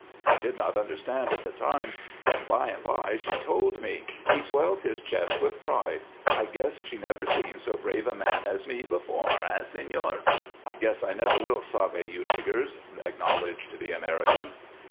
I did not understand at the time, but by an' by she told me." He swelled his chest with pride. "I guess she never seen so brave a man as me before. Eh, señor?" "Humph! I guess I never will sabe you niggers," acknowledged the American.